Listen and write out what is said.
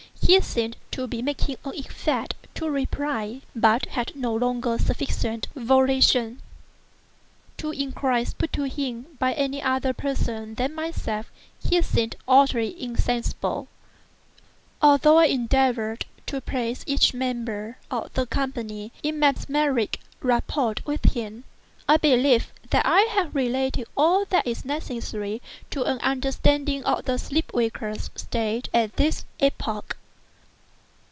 He seemed to be making an effort to reply, but had no longer sufficient volition. To queries put to him by any other person than myself he seemed utterly insensible—although I endeavored to place each member of the company in mesmeric rapport with him. I believe that I have now related all that is necessary to an understanding of the sleep waker's state at this epoch.